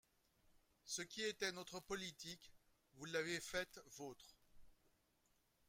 Ce qui était notre politique, vous l’avez faite vôtre.